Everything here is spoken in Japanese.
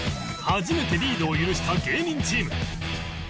初めてリードを許した芸人チーム